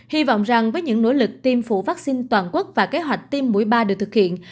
hy vọng rằng với những nỗ lực tiêm phủ vaccine toàn quốc và kế hoạch tiêm mũi ba được thực hiện